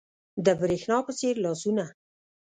د برېښنا په څیر لاسونه